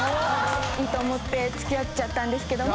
いいと思って付き合っちゃったんですけども。